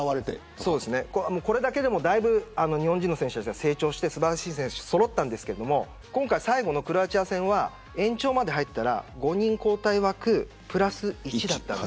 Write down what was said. そうですね、これだけでもだいぶ日本人の選手たち成長して、素晴らしい選手がそろいましたがクロアチア戦は延長まで入れば５人交代枠プラス１でした。